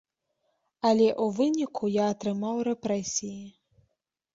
Але ў выніку я атрымаў рэпрэсіі.